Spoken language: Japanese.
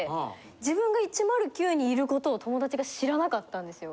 自分が１０９にいることを友達が知らなかったんですよ。